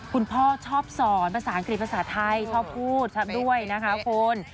คุณพ่อชอบสอนภาษาอังกฤษภาษาไทยชอบพูดชอบด้วยนะคะคุณ